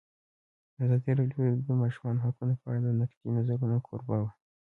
ازادي راډیو د د ماشومانو حقونه په اړه د نقدي نظرونو کوربه وه.